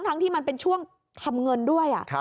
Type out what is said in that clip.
ที่มันเป็นช่วงทำเงินด้วย